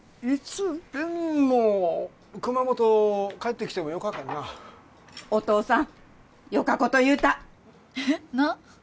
いつでも熊本帰ってきてもよかけんなお父さんよかこと言うたえっなん？